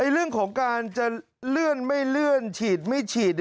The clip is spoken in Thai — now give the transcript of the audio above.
เรื่องของการจะเลื่อนไม่เลื่อนฉีดไม่ฉีด